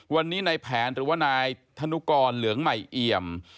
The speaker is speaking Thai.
วันนี้ในแผนหรือว่านายธนุกรเหลืองใหม่เอี่ยม